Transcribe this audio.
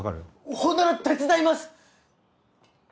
ほんなら手伝います！